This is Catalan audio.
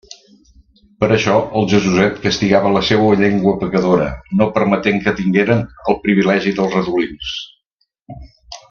Per això el Jesuset castigava la seua llengua pecadora, no permetent que tingueren el privilegi dels redolins.